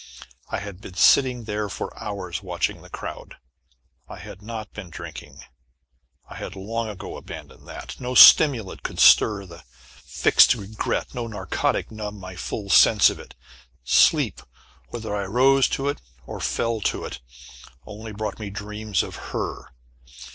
I had been sitting there for hours watching the crowd. I had not been drinking. I had long ago abandoned that. No stimulant could blur the fixed regret, no narcotic numb my full sense of it. Sleep, whether I rose to it, or fell to it only brought me dreams of her.